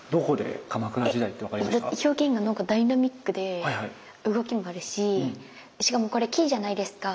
表現が何かダイナミックで動きもあるししかもこれ木じゃないですか。